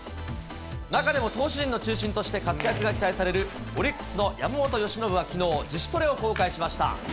中でも投手陣の中心として活躍が期待されるオリックスの山本由伸はきのう、自主トレを公開しました。